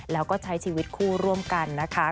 แล้วก็ใช้ชีวิตคู่ร่วมกันนะคะ